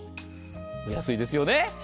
お安いですよね。